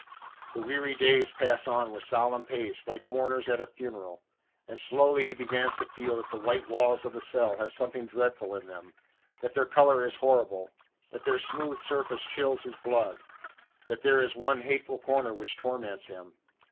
The weary days pass on with solemn pace, like mourners at a funeral; and slowly he begins to feel that the white walls of the cell have something dreadful in them: that their colour is horrible: that their smooth surface chills his blood: that there is one hateful corner which torments him.